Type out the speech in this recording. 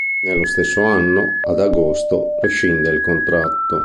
Nello stesso anno, ad agosto, rescinde il contratto.